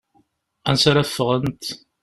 Ansa ara ffɣent?